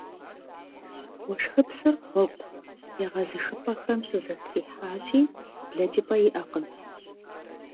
Уэшхыпсыр гъуэгу егъэзыхыпӏэхэм щызэтрихьащи, блэкӏыпӏэ иӏэкъым.